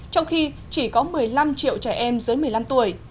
trong khi chỉ có một mươi năm triệu trẻ em dưới một mươi năm tuổi